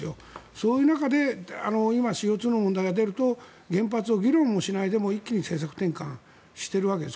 そういう中で、今ＣＯ２の問題が出ると原発を議論もしないで、一気に政策転換をしているんです。